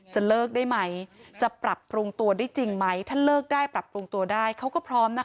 จะเลิกได้ไหมจะปรับปรุงตัวได้จริงไหมถ้าเลิกได้ปรับปรุงตัวได้เขาก็พร้อมนะคะ